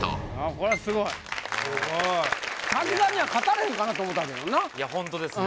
これはすごいすごい滝沢には勝たれへんかなと思ったけどないやホントですね